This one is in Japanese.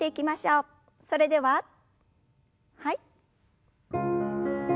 それでははい。